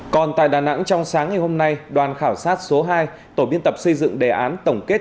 còn tại đà nẵng trong sáng ngày hôm nay đoàn khảo sát số hai tổ biên tập xây dựng đề án tổng kết